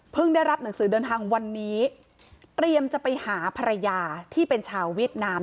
ได้รับหนังสือเดินทางวันนี้เตรียมจะไปหาภรรยาที่เป็นชาวเวียดนาม